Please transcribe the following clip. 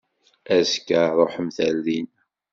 Azekka ruḥemt ar dina!